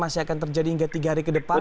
masih akan terjadi hingga tiga hari ke depan